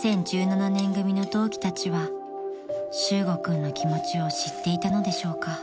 ２０１７年組の同期たちは修悟君の気持ちを知っていたのでしょうか？］